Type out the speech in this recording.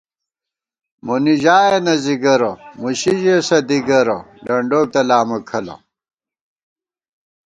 مونی ژایَنہ ځِگَرَہ ، مُشی ژېس دِگَرَہ ، ڈنڈوک تلامہ کھلہ